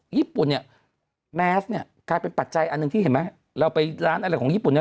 ญี่ปุ่นเนี่ยแมสเนี่ยกลายเป็นปัจจัยอันหนึ่งที่เห็นไหมเราไปร้านอะไรของญี่ปุ่นเนี่ย